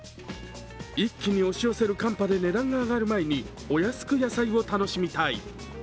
一気に押し寄せる寒波で値段が上がる前にお安く野菜を楽しみたい。